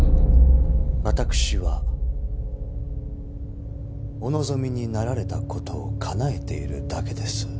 私はお望みになられたことをかなえているだけです。